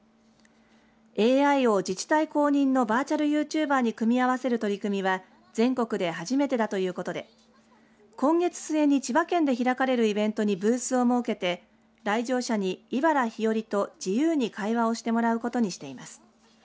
ＡＩを自治体公認のバーチャルユーチューバーに組み合わせる取り組みは全国で初めてだということで今月末に千葉県で開かれるイベントにブースを設けて来場者に茨ひよりと自由に会話をしてもらうことにしています。